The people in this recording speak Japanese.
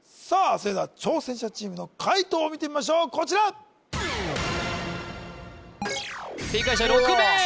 それでは挑戦者チームの解答を見てみましょうこちら正解者６名！